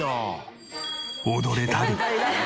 踊れたり。